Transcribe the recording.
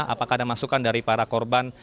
apakah ada masukan dari para korban